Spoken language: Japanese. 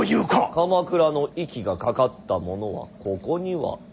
鎌倉の息がかかった者はここには要らぬ。